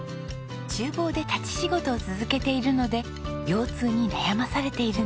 厨房で立ち仕事を続けているので腰痛に悩まされているんです。